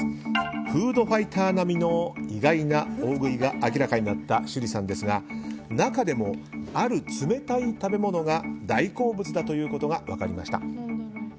フードファイター並みの意外な大食いが明らかになった趣里さんですが中でも、ある冷たい食べ物が大好物だということが分かりました。